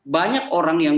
banyak orang yang